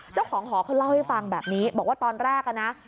เจ้าของหอเขาเล่าให้ฟังแบบนี้บอกว่าตอนแรกอะนะ